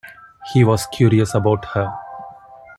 He was curious about her.